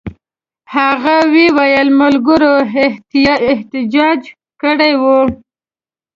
هغه وویل ملګرو احتجاج کړی وو.